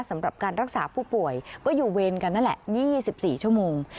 สำหรับการรักษาผู้ป่วยก็อยู่เวรกันนั่นแหละ๒๔ชั่วโมง